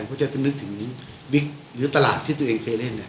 มันก็จะนึกถึงวิกหรือตลาดที่ตัวเองเคยเล่น